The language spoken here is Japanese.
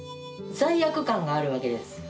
罪悪感があるわけです。